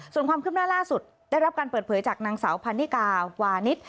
ส่วนความคืบหน้าล่าสุดได้รับการเปิดเผยจากนางสาวพันนิกาวานิส